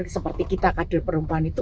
seperti kita kader perempuan itu